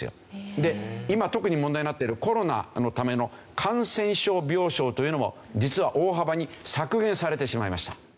で今特に問題になっているコロナのための感染症病床というのも実は大幅に削減されてしまいました。